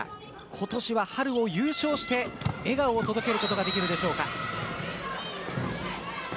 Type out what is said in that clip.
今年は春を優勝して笑顔を届けることができるでしょうか。